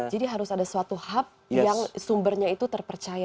jadi harus ada suatu hub yang sumbernya itu terpercaya